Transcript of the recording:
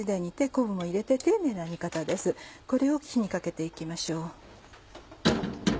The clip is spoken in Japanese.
これを火にかけて行きましょう。